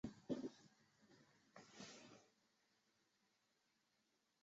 她可说是最负盛名的库尔德语诗人和作家之一。